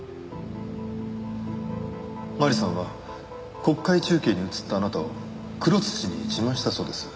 麻里さんは国会中継に映ったあなたを黒土に自慢したそうです。